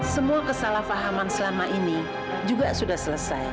semua kesalahpahaman selama ini juga sudah selesai